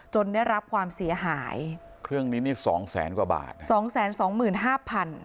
ได้รับความเสียหายเครื่องนี้นี่สองแสนกว่าบาทสองแสนสองหมื่นห้าพัน